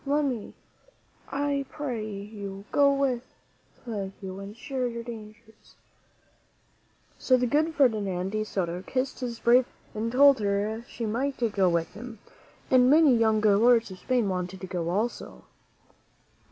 Let me, I pray you, go with you and share your dangers." So the good Ferdinand de Soto kissed his brave wife and told her she might go with him; and many young lords of Spain wanted to go also.